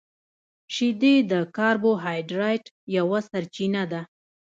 • شیدې د کاربوهایډریټ یوه سرچینه ده.